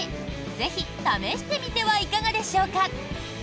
ぜひ試してみてはいかがでしょうか？